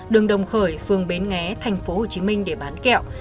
đường đồng khởi phường bến nghé tp hcm để bán kẹo